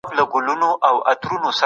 زه له تېرو دوو ساعتونو راهیسې دلته یم.